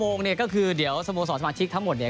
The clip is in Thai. โมงเนี่ยก็คือเดี๋ยวสโมสรสมาชิกทั้งหมดเนี่ย